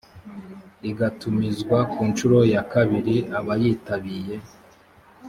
igatumizwa ku nshuro ya kabiri abayitabiye